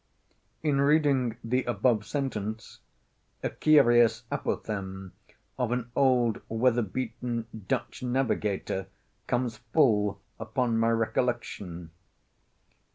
In reading the above sentence a curious apothegm of an old weather beaten Dutch navigator comes full upon my recollection.